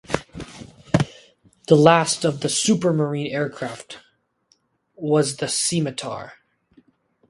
The last of the Supermarine aircraft was the Scimitar.